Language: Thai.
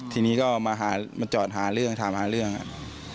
ทีนี้ก็มาหามาจอดหาเรื่องถามหาเรื่องครับ